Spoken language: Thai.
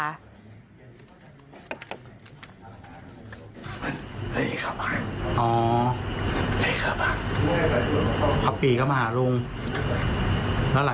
อะคับลา